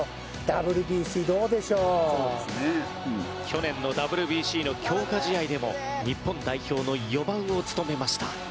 去年のＷＢＣの強化試合でも日本代表の４番を務めました。